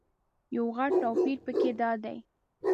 یو غټ توپیر په کې دادی.